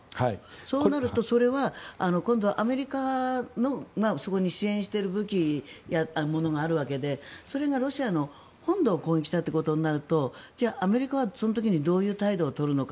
そうなるとそれは今度アメリカのそこに支援している武器や物があるわけでそれがロシアの本土を攻撃したということになるとアメリカはその時にどういう態度を取るのか。